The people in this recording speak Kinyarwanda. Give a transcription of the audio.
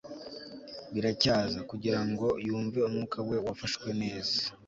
biracyaza, kugirango yumve umwuka we wafashwe neza